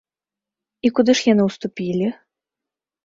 І куды ж яны ўступілі?